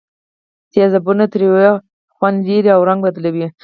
تیزابونه تریو خوند لري او رنګ بدلوي.